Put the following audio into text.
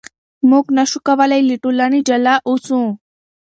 موږ نشو کولای له ټولنې جلا اوسو.